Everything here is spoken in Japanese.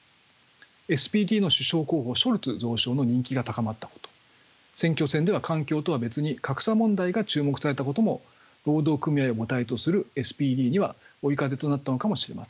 ＳＰＤの首相候補ショルツ蔵相の人気が高まったこと選挙戦では環境とは別に格差問題が注目されたことも労働組合を母体とするＳＰＤには追い風となったのかもしれません。